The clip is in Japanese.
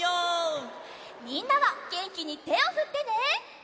みんなはげんきにてをふってね！